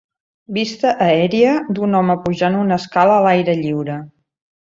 Vista aèria d'un home pujant una escala a l'aire lliure